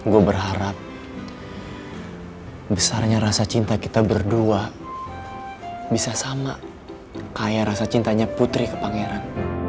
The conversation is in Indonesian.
gue berharap besarnya rasa cinta kita berdua bisa sama kaya rasa cintanya putri ke pangeran